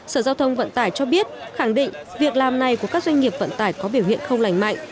sở giao thông vận tải cho biết khẳng định việc làm này của các doanh nghiệp vận tải có biểu hiện không lành mạnh